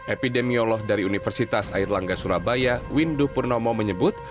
epidemiolog dari universitas air langga surabaya windu purnomo menyebut